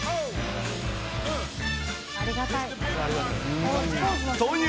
ありがたい。